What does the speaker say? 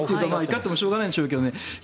怒ってもしょうがないんでしょうけどね。